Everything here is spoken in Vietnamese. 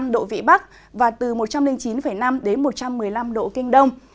một mươi độ vị bắc và từ một trăm linh chín năm đến một trăm một mươi năm độ kinh đông